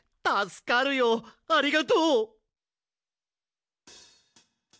たすかるよありがとう！